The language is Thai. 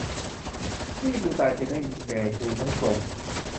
พี่กูตายจึงได้เมืองแก่กูทั้งกลม